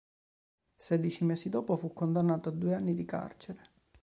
Sedici mesi dopo, fu condannato a due anni di carcere.